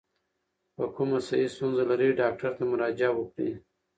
که کومه صحي ستونزه لرئ، ډاکټر ته مراجعه وکړئ.